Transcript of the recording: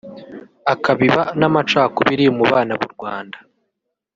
akabiba n’amacakubiri mu bana b’u Rwanda